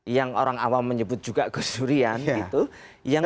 yang orang awam menyebut juga gusdurian gitu